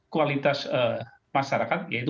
kualitas masyarakat yaitu